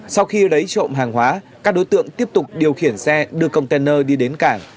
sau khi lấy trộm hàng hóa các đối tượng tiếp tục điều khiển xe đưa container đi đến cảng